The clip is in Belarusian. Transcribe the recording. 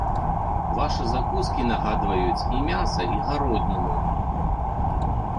Вашы закускі нагадваюць і мяса і гародніну.